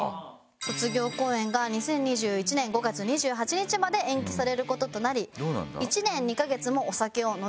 卒業公演が２０２１年５月２８日まで延期される事となり１年２カ月もお酒を飲めなくなってしまいました。